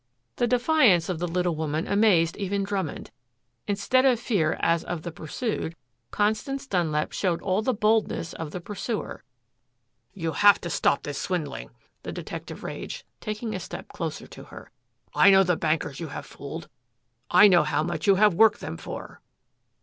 The defiance of the little woman amazed even Drummond. Instead of fear as of the pursued, Constance Dunlap showed all the boldness of the pursuer. "You have got to stop this swindling," the detective raged, taking a step closer to her. "I know the bankers you have fooled. I know how much you have worked them for."